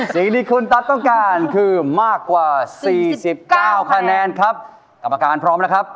สิ่งที่คุณตัดต้องการคือมากกว่า๔๙คะแนนครับคำอาการพร้อมนะครับ